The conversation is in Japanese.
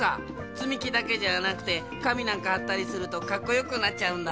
つみきだけじゃなくてかみなんかはったりするとかっこよくなっちゃうんだ。